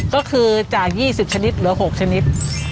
ก็คือจาก๒๐ชนิดเหลือ๖ชนิด